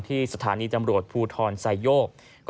ที่สถานีตำรวจภูทรไซโยก